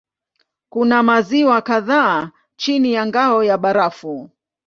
Kuna maziwa kadhaa chini ya ngao ya barafu.